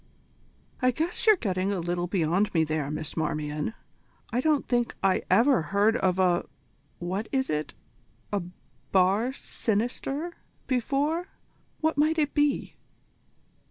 "I guess you're getting a little beyond me there, Miss Marmion. I don't think I ever heard of a what is it? a bar sinister, before. What might it be?"